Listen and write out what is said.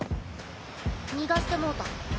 逃がしてもうた。